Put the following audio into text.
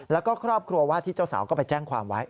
แล้วก็ครอบครัวว่าที่เจ้าสาวก็ไปแจ้งความไว้